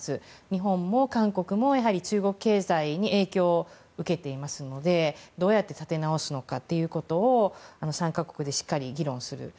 日本も韓国も中国経済に影響を受けていますのでどうやって立て直すのかということを３か国でしっかり議論する。